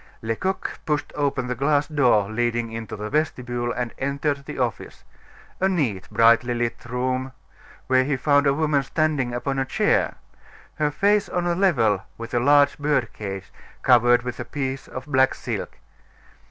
Lecoq pushed open the glass door leading into the vestibule, and entered the office a neat, brightly lighted room, where he found a woman standing upon a chair, her face on a level with a large bird cage, covered with a piece of black silk.